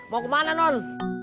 mau kemana non